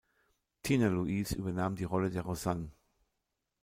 Tina Louise übernahm die Rolle der Roseanne.